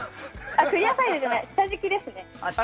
クリアファイルじゃなくて下敷きですね。